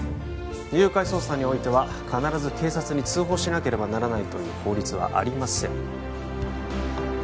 誘拐捜査においては必ず警察に通報しなければならないという法律はありません